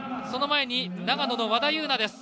その前に長野の和田。